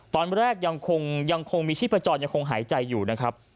ตอนแรกยังคงมีชีพจรยังคงหายใจอยู่นะครับ